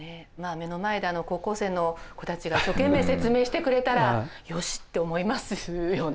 目の前で高校生の子たちが一生懸命説明してくれたらよしって思いますよね。